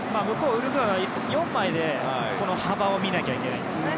ウルグアイは４枚で幅を見なきゃいけないんですね。